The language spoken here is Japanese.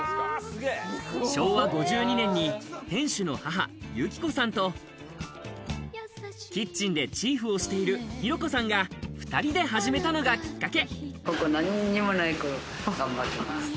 昭和５２年に店主の母・由紀子さんとキッチンでチーフをしている廣子さんが２人で始めたのがきっかけ。